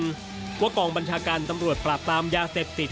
ตอนที่๐๑ว่ากองบัญชาการตำรวจปรับตามยาเสร็จติด